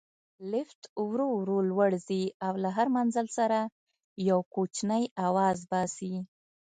لفټ ورو ورو لوړ ځي او له هر منزل سره یو کوچنی اواز باسي.